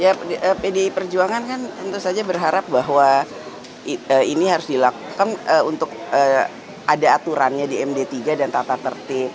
ya pdi perjuangan kan tentu saja berharap bahwa ini harus dilakukan untuk ada aturannya di md tiga dan tata tertib